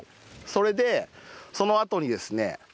それでそのあとにですね